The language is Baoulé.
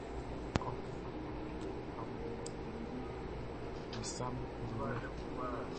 Ɔ fata kɛ a wun ɔ wienguʼm be saʼm be wlɛ.